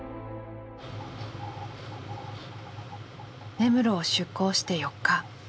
根室を出港して４日。